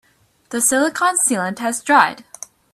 The silicon sealant has dried.